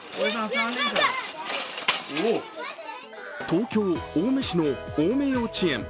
東京・青梅市の青梅幼稚園。